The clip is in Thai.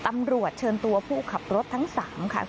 ตำรวจเชิญตัวผู้ขับรถทั้ง๓คัน